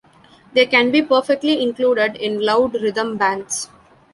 They can be perfectly included in loud rhythm bands.